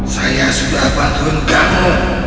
saya sudah bantuin kamu